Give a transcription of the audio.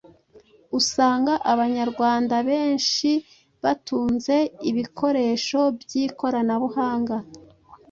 Usanga Abanyarwanda benshi batunze ibikoresho by’ikoranabuhanga”.